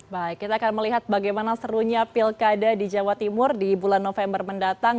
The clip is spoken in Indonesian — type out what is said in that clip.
baik kita akan melihat bagaimana serunya pilkada di jawa timur di bulan november mendatang